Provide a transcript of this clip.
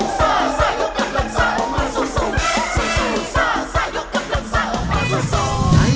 สู้สู้ซ่าซ่ายกกำลังซ่าเอามาสู้สู้